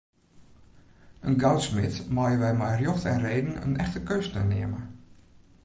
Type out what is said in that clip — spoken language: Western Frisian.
In goudsmid meie wy mei rjocht en reden in echte keunstner neame.